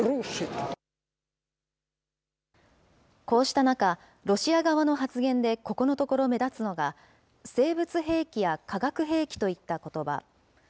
こうした中、ロシア側の発言でここのところ目立つのが、生物兵器や化学兵器といったことば。